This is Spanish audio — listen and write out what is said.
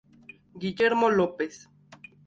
Guillermo López.